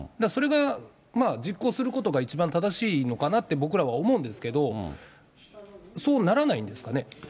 それが、実行することが一番正しいのかなって、僕らは思うんですけれども、そうならないんですかね？